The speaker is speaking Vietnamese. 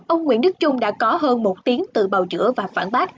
ông nguyễn đức trung đã có hơn một tiếng tự bào chữa và phản bác